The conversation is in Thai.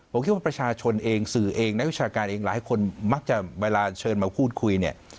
ผมคิดว่าประชาชนเองสื่อเองนักวิชาการเองหลายคนมักจะเวลาเชิญมาพูดคุยเนี่ย